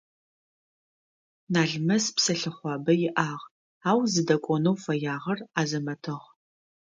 Налмэс псэлъыхъуабэ иӏагъ, ау зыдэкӏонэу фэягъэр Азэмэтыгъ.